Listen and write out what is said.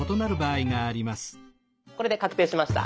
これで確定しました。